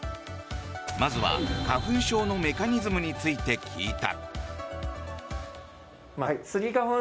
まずは花粉症のメカニズムについて聞いた。